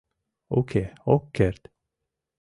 Уке, ок керт!